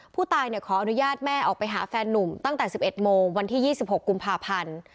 ผู้ตายขออนุญาตแม่ออกไปหาแฟนนุ่มตั้งแต่๑๑โมงวันที่๒๖กุมภาพันธ์